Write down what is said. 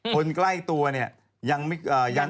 คนใกล้ตัวเนี่ยยัง